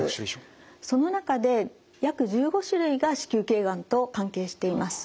その中で約１５種類が子宮頸がんと関係しています。